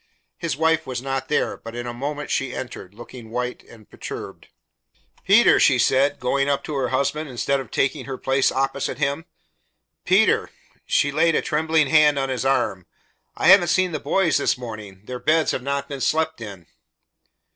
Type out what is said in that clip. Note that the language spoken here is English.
His wife was not there, but in a moment she entered, looking white and perturbed. "Peter!" she said, going up to her husband instead of taking her place opposite him, "Peter!" She laid a trembling hand on his arm. "I haven't seen the boys this morning. Their beds have not been slept in."